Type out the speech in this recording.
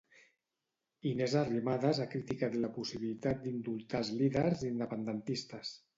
Inés Arrimadas ha criticat la possibilitat d'indultar els líders independentistes.